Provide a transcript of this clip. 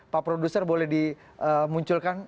pak produser boleh dimunculkan